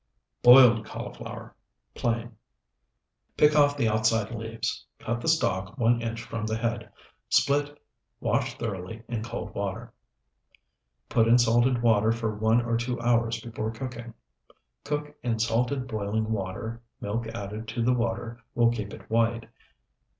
BOILED CAULIFLOWER (PLAIN) Pick off the outside leaves, cut the stalk one inch from the head, split, wash thoroughly in cold water. Put in salted water for one or two hours before cooking. Cook in salted, boiling water (milk added to the water will keep it white).